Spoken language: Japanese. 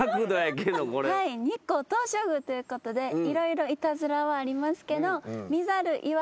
日光東照宮ということで色々イタズラはありますけど。